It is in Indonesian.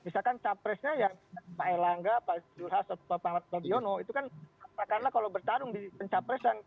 misalkan capresnya ya pak elangga pak juhas pak pak yono itu kan karena kalau bertarung di pencapres